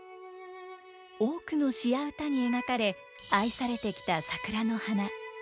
多くの詩や歌に描かれ愛されてきた桜の花。